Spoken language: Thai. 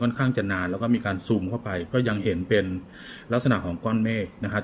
ข้างจะนานแล้วก็มีการซูมเข้าไปก็ยังเห็นเป็นลักษณะของก้อนเมฆนะครับ